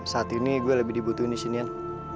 saat ini gue lebih dibutuhin di sini an